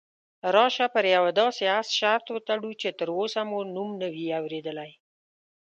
راشه پر یوه داسې اس شرط وتړو چې تراوسه مو نوم نه وي اورېدلی.